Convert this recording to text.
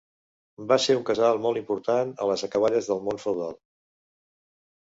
Va ser un casal molt important a les acaballes del món feudal.